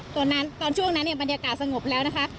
ตอนช่วงนั้นเนี่ยบรรยากาศสงบแล้วนะคะ